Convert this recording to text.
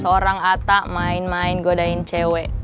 ya orang ata main main godain cewek